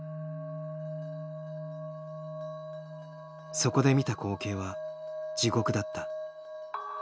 そこで見た光景は地獄だった。